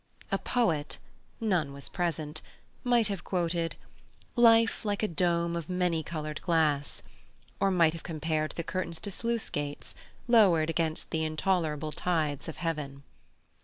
A poet—none was present—might have quoted, "Life like a dome of many coloured glass," or might have compared the curtains to sluice gates, lowered against the intolerable tides of heaven.